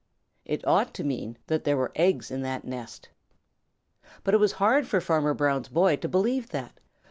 It ought to mean that there were eggs in that nest. But it was hard for Farmer Brown's boy to believe that.